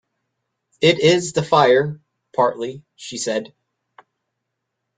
It is the fire, partly, she said.